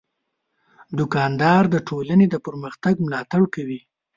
دوکاندار د ټولنې د پرمختګ ملاتړ کوي.